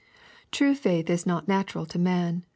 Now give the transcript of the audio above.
True faith is not natural to man.